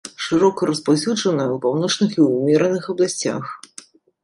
Шырока распаўсюджаная ў паўночных і ўмераных абласцях.